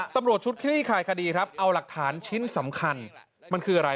ตำรวจชุดคลี่คลายคดีครับเอาหลักฐานชิ้นสำคัญมันคืออะไร